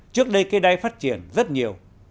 khiến cây đay phát triển rất nhiều